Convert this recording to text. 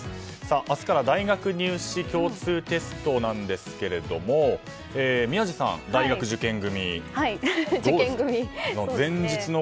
明日から大学入試共通テストですけれども宮司さん、大学受験組。